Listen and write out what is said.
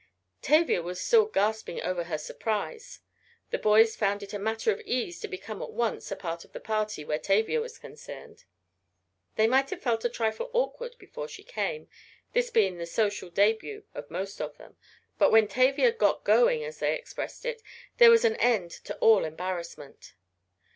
Tavia was still gasping over her "surprise." The boys found it a matter of ease to become at once a part of the party where Tavia was concerned. They might have felt a trifle awkward before she came, this being the social debut of most of them, but when Tavia, "got going," as they expressed it, there was an end to all embarrassment.